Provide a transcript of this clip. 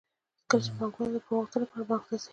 کله چې پانګوال د پور غوښتلو لپاره بانک ته ځي